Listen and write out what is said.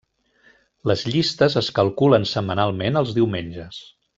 Les llistes es calculen setmanalment els diumenges.